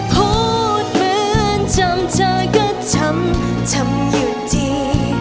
พูดเหมือนจำเธอก็ทำทำอยู่ดี